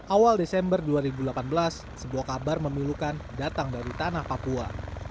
awal desember dua ribu delapan belas sebuah kabar memilukan datang dari tanah papua